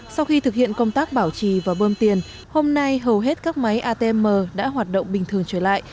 sau khi thực hiện công tác bảo trì và bơm tiền hôm nay hầu hết các máy atm đã hoạt động bình thường trở lại